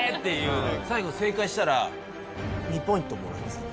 最後正解したら２ポイントもらえませんか？